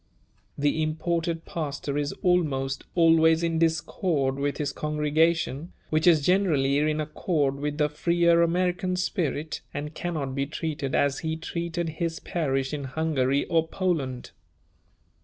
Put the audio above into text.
The imported pastor is almost always in discord with his congregation, which is generally in accord with the freer American spirit and cannot be treated as he treated his parish in Hungary or Poland.